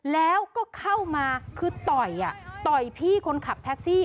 แล้วก็เข้ามาคือต่อยต่อยพี่คนขับแท็กซี่